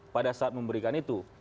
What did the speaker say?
pada saat memberikan itu